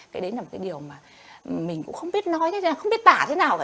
cái đấy là một cái điều mà mình cũng không biết nói đấy là không biết tả thế nào cả